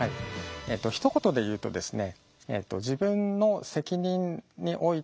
ひと言で言うとですね